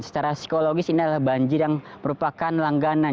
secara psikologis ini adalah banjir yang merupakan langganan